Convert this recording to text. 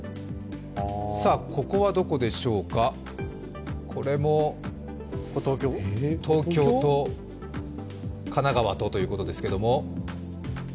さあここはどこでしょうか、これも東京と神奈川と、ということですけれども。